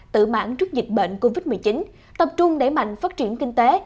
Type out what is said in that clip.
tự mãn trước dịch bệnh covid một mươi chín tập trung đẩy mạnh phát triển kinh tế